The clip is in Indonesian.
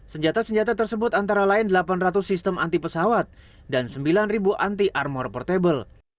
senjata senjata tersebut antara lain delapan ratus sistem anti pesawat dan sembilan anti armor portable